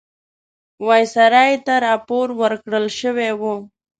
وایسرا ته راپور ورکړل شوی وو.